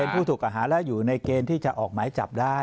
ผู้ถูกกระหาและอยู่ในเกณฑ์ที่จะออกหมายจับได้